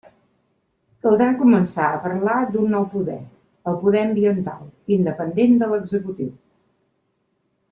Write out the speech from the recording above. Caldrà començar a parlar d'un nou poder, el poder ambiental, independent de l'executiu.